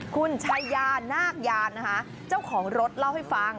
คุณชายานาคยานนะคะเจ้าของรถเล่าให้ฟัง